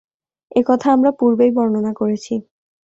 এ কথা আমরা পূর্বেই বর্ণনা করেছি।